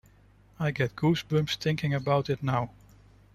I get goosebumps thinking about it now.